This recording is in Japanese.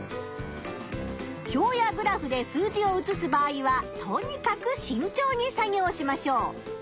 表やグラフで数字を写す場合はとにかくしんちょうに作業しましょう。